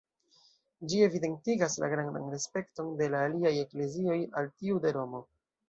Ĝi evidentigas la grandan respekton de la aliaj eklezioj al tiu de Romo.